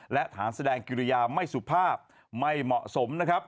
และฐานแสดงกิริยาไม่สุภาพไม่เหมาะสมนะครับ